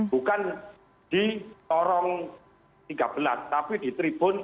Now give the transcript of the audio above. bukan di lorong tiga belas tapi di tribun tiga belas